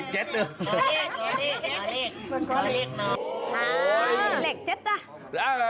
เจ็ดซ้ำซ้ำ